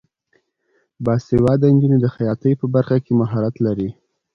باسواده نجونې د خیاطۍ په برخه کې مهارت لري.